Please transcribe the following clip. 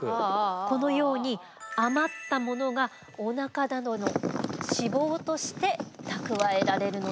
このように余ったものがお腹などの脂肪として蓄えられるのでございます。